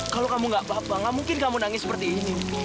kalau kamu gak apa apa nggak mungkin kamu nangis seperti ini